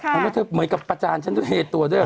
แล้วเธอเหมือนกับประจานฉันถูกแยกตัวด้วย